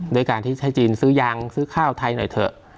ด้วยการที่ให้จีนซื้อยางซื้อข้าวไทยหน่อยเถอะ